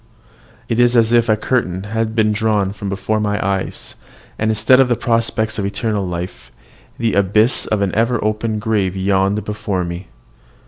It is as if a curtain had been drawn from before my eyes, and, instead of prospects of eternal life, the abyss of an ever open grave yawned before me.